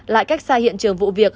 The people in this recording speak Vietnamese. lại cách xa hiện trường vụ việc